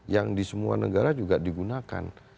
yang di semua negara juga digunakan